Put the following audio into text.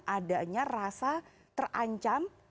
keadaannya rasa terancam